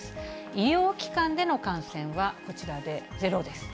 医療機関での感染は、こちらで０です。